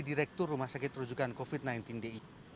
direktur rumah sakit rujukan covid sembilan belas di